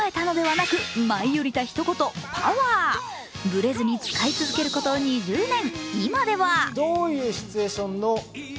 ブレずに使い続けること２０年。